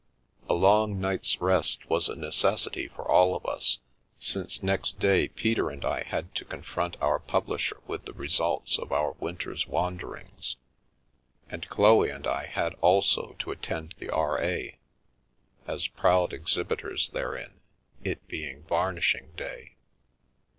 A long night's rest was a necessity for all of us, since next day Peter and I had to confront our publisher with the results of our winter's wander ings, and Chloe and I had also to attend the RA., as proud exhibitors therein, it being Varnishing Day.